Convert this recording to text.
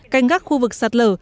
canh gác khu vực sạt lở